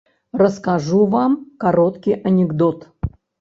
Раскажу вам кароткі анекдот.